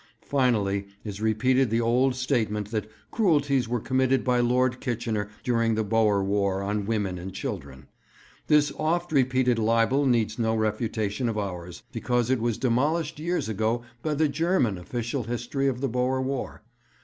Finally is repeated the old statement that cruelties were committed by Lord Kitchener during the Boer War on women and children. This oft repeated libel needs no refutation of ours, because it was demolished years ago by the German official history of the Boer War.